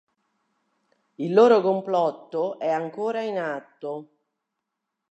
Il loro complotto è ancora in atto.